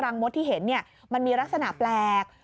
มดที่เห็นมันมีลักษณะแปลก